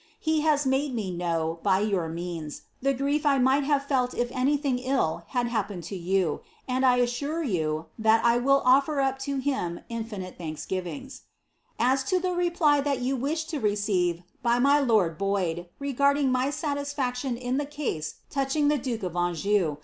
B« bsi made me know, by youi means, the grief I might have fell if anylhing ill bad happened lo yon; and 1 aamre you, ilisi I will offer up lo Him infinite Ihsnks givingi. "As to the reply that you wish to receive by my lord Boyd, regarding my ■aiisfaciion in ibe case touching tbe duke of Anjou."